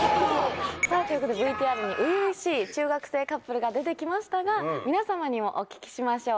さぁということでＶＴＲに初々しい中学生カップルが出てきましたが皆さまにもお聞きしましょう。